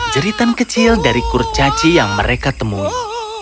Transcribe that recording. jeritan kecil dari kurcaci yang mereka temui